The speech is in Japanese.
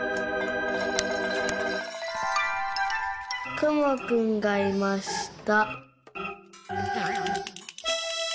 「くもくんがいました」。